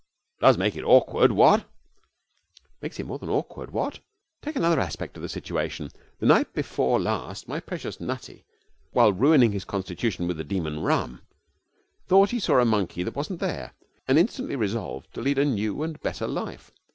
'It does make it awkward, what?' 'It makes it more than awkward, what! Take another aspect of the situation. The night before last my precious Nutty, while ruining his constitution with the demon rum, thought he saw a monkey that wasn't there, and instantly resolved to lead a new and better life.